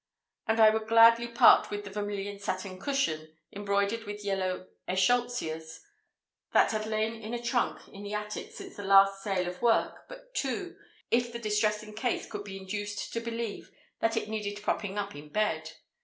And I would gladly part with the vermilion satin cushion embroidered with yellow eschscholtzias, that had lain in a trunk in the attic since the last Sale of Work but two, if the distressing case could be induced to believe that it needed propping up in bed.